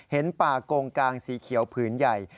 เห็นป่ากงกางสีเขียวพื้นใหญ่